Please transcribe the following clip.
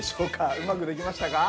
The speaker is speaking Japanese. うまくできましたか？